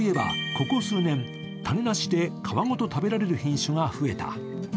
ここ数年、種なしで皮ごと食べられる品種が増えた。